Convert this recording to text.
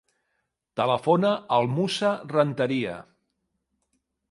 Telefona al Musa Renteria.